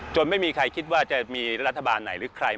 ไม่มีใครคิดว่าจะมีรัฐบาลไหนหรือใคร